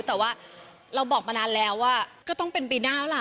แต่ว่าเราบอกมานานแล้วว่าก็ต้องเป็นปีหน้าแล้วล่ะ